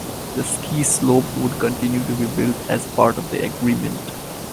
The ski slope would continue to be built as part of the agreement.